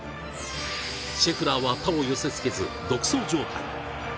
シェフラーは他を寄せ付けず独走状態。